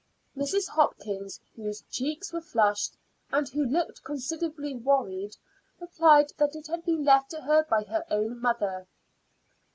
Mrs. Hopkins, whose cheeks were flushed, and who looked considerably worried, replied that it had been left to her by her own mother.